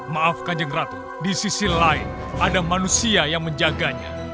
maaf kanjeng ratu di sisi lain ada manusia yang menjaganya